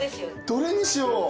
どれにしよう。